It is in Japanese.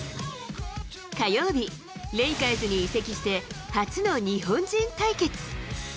火曜日、レイカーズに移籍して、初の日本人対決。